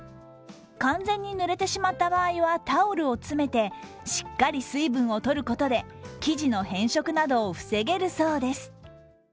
完全にぬれてしまった場合はタオルを詰めてしっかり水分を取ることで生地の変色などを防げるそうです。